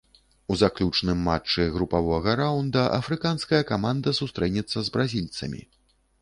У заключным матчы групавога раўнда афрыканская каманда сустрэнецца з бразільцамі.